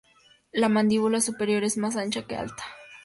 La mandíbula superior es más ancha que alta.